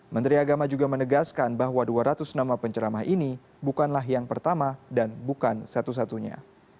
menteri agama juga menegaskan bahwa dua ratus nama penceramah ini bukanlah yang pertama dan bukan satu satunya